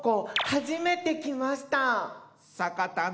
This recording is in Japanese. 初めて来ました。